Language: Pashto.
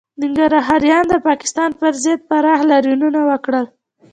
ننګرهاریانو د پاکستان پر ضد پراخ لاریونونه وکړل